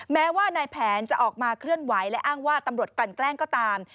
แม้ว่านายแผนจะออกมาเคลื่อนไหวและอ้างว่าตำรวจกลั่นแกล้งก็ตาม